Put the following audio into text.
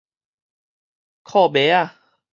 褲襪仔